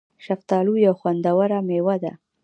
شفتالو یو خوندوره مېوه ده